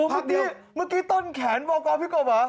พักเนี่ยโอ้โหเมื่อกี้ต้นแขนบากรพิกปะ